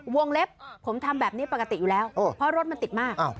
วงเล็บผมทำแบบนี้ปกติอยู่แล้วเพราะรถมันติดมาก